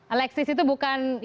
alexis itu bukan ya